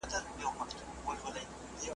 د مرور استاد ياد